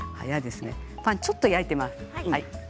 ちょっと焼いています。